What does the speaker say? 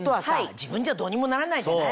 自分じゃどうにもならないじゃない。